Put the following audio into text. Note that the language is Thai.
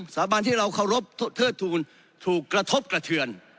สาบันที่เราเคารพเทิดทูลถูกกระทบกระเทือน